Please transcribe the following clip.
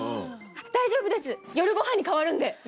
「大丈夫です夜ごはんに変わるんで」みたいな。